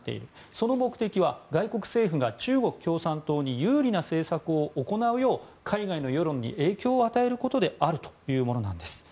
その目的は外国政府が中国共産党に有利な政策を行うよう海外の世論に影響を与えることであるというものなんです。